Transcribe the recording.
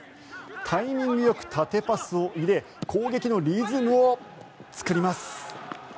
タイミングよく縦パスを入れ攻撃のリズムを作ります。